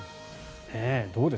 どうです？